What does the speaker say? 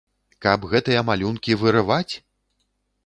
Каб гэтыя малюнкі вырываць?